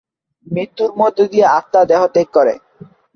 মৃত্যুর মধ্য দিয়ে আত্মা দেহত্যাগ করে।